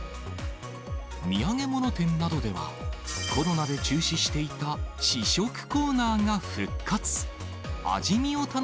土産物店などでは、コロナで中止していた試食コーナーが復活。